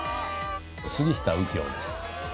杉下右京です。